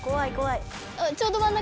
ちょうどまん中。